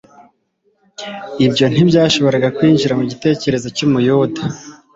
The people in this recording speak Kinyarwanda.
ibyo ntibyashoboraga kwinjira mu gitekerezo cy’Umuyuda,